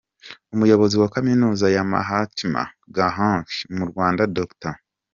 Umuyobozi wa Kaminuza ya Mahatma Gandhi mu Rwanda, Dr.